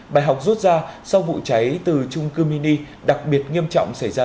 bài học rút ra sau vụ cháy từ trung cư mini đặc biệt nghiêm trọng xảy ra